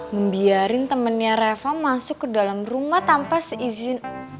membiarin temennya reva masuk ke dalam rumah tanpa seizin